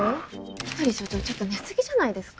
ひとり所長ちょっと寝過ぎじゃないですか？